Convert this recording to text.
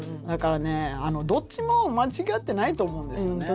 だからねあのどっちも間違ってないと思うんですよね。